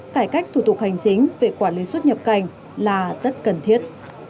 cải cách thủ tục hành chính về quản lý xuất nhập cảnh là rất cần thiết